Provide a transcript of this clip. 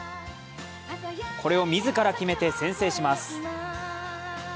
これを自ら決めて先制します。